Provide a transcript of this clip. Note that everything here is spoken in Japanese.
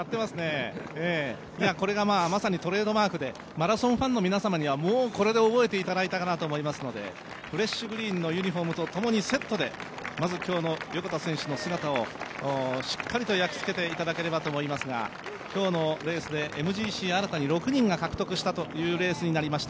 これがトレードマークでマラソンファンの皆様にはこれで覚えていただいたかなと思うのでフレッシュグリーンのユニフォームとセットでまず今日の横田選手の姿をしっかりと焼き付けていただければと思いますが今日のレースでＭＧＣ、新たに６人が獲得したというレースになりました。